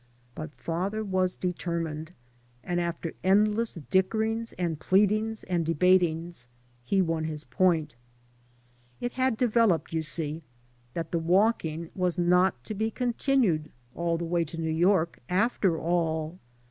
But father was determined, and after endless dickerings and pleadings and debat ings he won his point. It had developed, you see, that the walking was not to be continued aU the way to New York, after all.